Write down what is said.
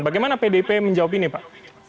bagaimana pdip menjawab ini pak